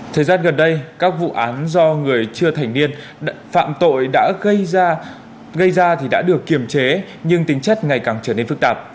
thời gian gần đây các vụ án do người chưa thành niên phạm tội đã gây ra thì đã được kiềm chế nhưng tính chất ngày càng trở nên phức tạp